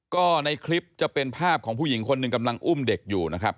ก็ในคลิปจะเป็นภาพของผู้หญิงคนหนึ่งกำลังอุ้มเด็กอยู่นะครับ